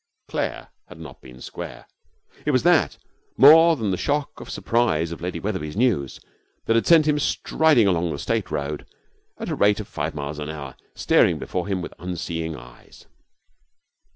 Claire had not been square. It was that, more than the shock of surprise of Lady Wetherby's news, that had sent him striding along the State Road at the rate of five miles an hour, staring before him with unseeing eyes.